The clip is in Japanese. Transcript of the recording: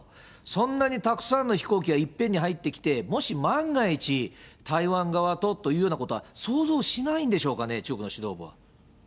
そんなにたくさんの飛行機がいっぺんに入ってきて、もし万が一、台湾側とというようなことは、想像しないんでしょうかね、中国の指導部は。